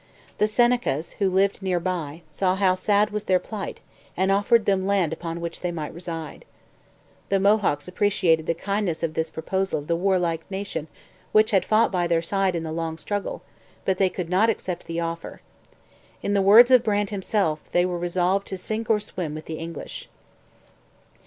The Senecas, who lived near by, saw how sad was their plight and offered them land upon which they might reside. The Mohawks appreciated the kindness of this proposal of the warlike nation which had fought by their side in the long struggle, but they could not accept the offer. In the words of Brant himself, they were resolved to 'sink or swim' with the English.